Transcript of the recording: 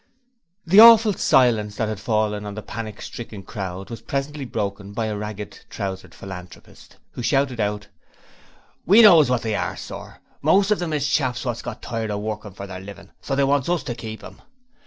The awful silence that had fallen on the panic stricken crowd, was presently broken by a ragged trousered Philanthropist, who shouted out: 'We knows wot they are, sir. Most of 'em is chaps wot's got tired of workin' for their livin', so they wants us to keep 'em.'